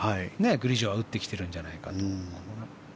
グリジョは打ってきてるんじゃないかと。